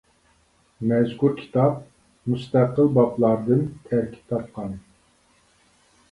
مەزكۇر كىتاب مۇستەقىل بابلاردىن تەركىب تاپقان.